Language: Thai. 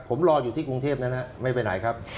ผมรออยู่ที่กรุงเทพนะฮะไม่ไปไหนครับ